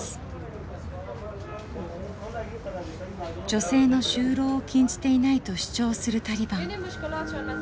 女性の就労を禁じていないと主張するタリバン。